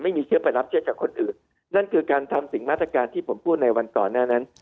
ไม่มีเชื้อไปรับเชื้อจากคนอื่นนั่นคือการทำสิ่งมาตรการที่ผมพูดในวันก่อนหน้านั้น